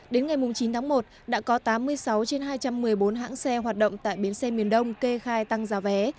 đến ngày chín tháng một đã có tám mươi sáu trên hai trăm một mươi bốn hãng xe hoạt động tại bến xe miền đông kê khai tăng giá vé